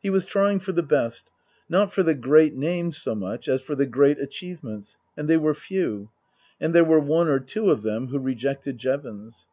He was trying for the best not for the great names so much as for the great achievements, and they were few. And there were one or two of them who rejected Jevons.